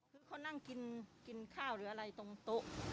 คือเขานั่งกินข้าวหรืออะไรตรงโต๊ะ